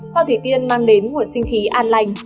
hoa thủy tiên mang đến một sinh khí an lành